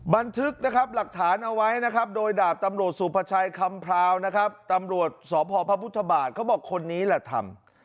บันทึกนะครับหลักฐานเอาไว้นะครับโดยดาบตำรวจสุภาชัยคำพราวนะครับตำรวจสพพระพุทธบาทเขาบอกคนนี้แหละทำ